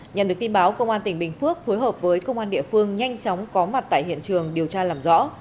nhận được tin báo công an tỉnh bình phước phối hợp với công an địa phương nhanh chóng có mặt tại hiện trường điều tra làm rõ